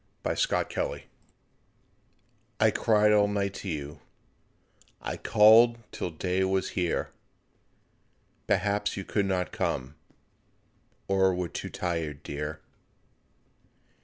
ALL SOULS' EVE I cried all night to you, I called till day was here; Perhaps you could not come, Or were too tirèd, dear.